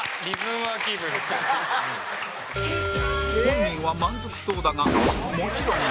本人は満足そうだがもちろん×